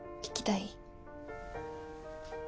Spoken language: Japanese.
聞きたい？